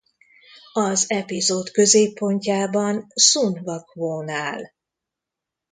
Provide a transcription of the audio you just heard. Az epizód középpontjában Sun-Hwa Kwon áll.